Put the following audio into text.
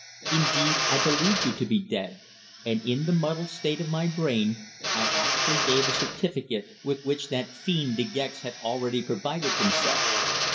Indeed, I believed you to be dead, and in the muddled state of my brain I actually gave a certificate with which that fiend De Gex had already provided himself.